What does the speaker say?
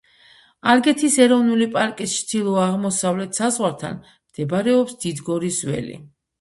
ალგეთის ეროვნული პარკის ჩრდილო-აღმოსავლეთ საზღვართან მდებარეობს დიდგორის ველი.